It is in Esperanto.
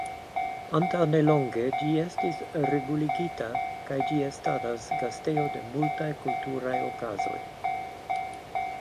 Antaŭ nelonge ĝi estis reguligita kaj ĝi estadas gastejo de multaj kulturaj okazoj.